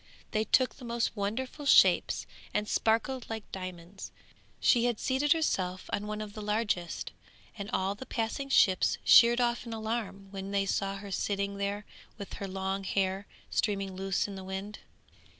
They took the most wonderful shapes, and sparkled like diamonds. She had seated herself on one of the largest, and all the passing ships sheered off in alarm when they saw her sitting there with her long hair streaming loose in the wind.